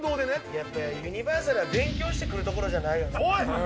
やっぱりユニバーサルは勉強して来る所じゃないよね。